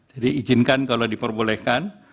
jadi izinkan kalau diperbolehkan